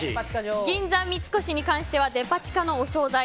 銀座三越に関してはデパ地下のお総菜